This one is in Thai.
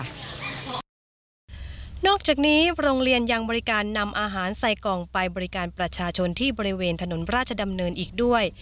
นอกจากนี้โรงเรียนยังบริการนำอาหารใส่กล่องไปบริการประชาชนที่บริเวณถนนราชดำเนินอีกด้วย